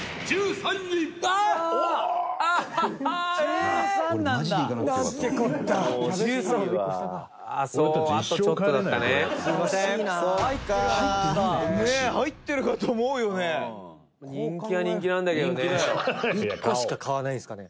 横尾：１個しか買わないんですかね。